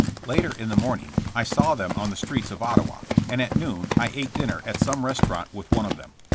Later in the morning I saw them on the streets of Ottawa, and at noon I ate dinner at some restaurant with one of them.